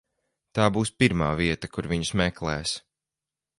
Tā būs pirmā vieta, kur viņus meklēs.